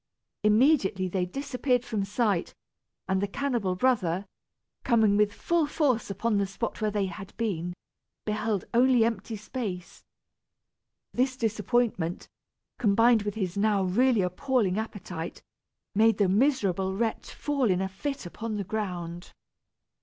Immediately they disappeared from sight, and the cannibal brother, coming with full force upon the spot where they had been, beheld only empty space. This disappointment, combined with his now really appalling appetite, made the miserable wretch fall in a fit upon the ground.